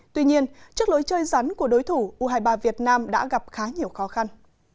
tuy nhiên trước lối chơi rắn của đối thủ u hai mươi ba việt nam đã gặp khá nhiều khó khăn